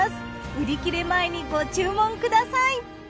売り切れ前にご注文ください。